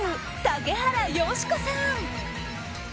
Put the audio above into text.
竹原芳子さん。